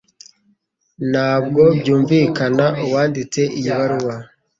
Ntabwo byumvikana uwanditse iyi baruwa